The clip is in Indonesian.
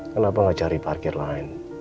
kenapa nggak cari parkir lain